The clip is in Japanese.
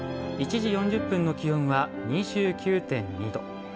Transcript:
１時４０分の気温は２９．２度。